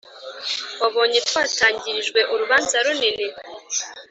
wabonye twatangirijwe urubanza runini,